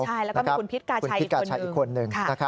ใช่แล้วก็คุณพิธกาชัยอีกคนหนึ่ง